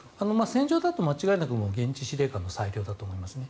戦場だと、間違いなく現地司令官の裁量だと思いますね。